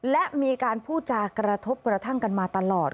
และมีการพูดจากกระทบกระทั่งกันมาตลอด